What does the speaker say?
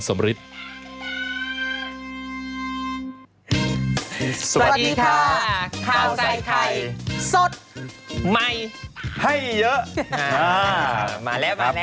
มาแล้ว